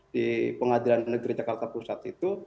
di pengadilan negeri jakarta pusat itu